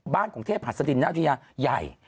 บ้านของเทพภัสดินนัทพิยาใหญ่